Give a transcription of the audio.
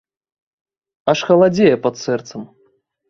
Аж халадзее пад сэрцам.